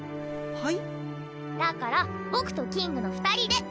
はい？